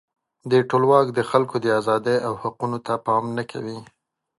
ټولواک د خلکو د آزادۍ او حقوقو ته پام نه کوي.